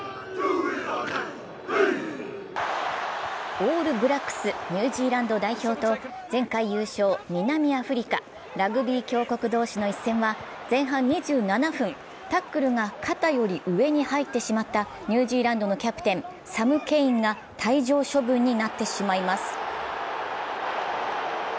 オールブラックス・ニュージーランド代表と前回優勝、南アフリカ、ラグビー強国同士の一戦は前半２７分、タックルが肩より上に入ってしまったニュージーランドのキャプテン、サム・ケインが退場処分になってしまいます。